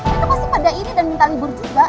kita pasti pada ini dan minta libur juga